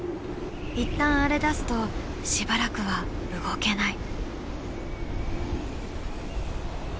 一旦荒れだすとしばらくは動けない。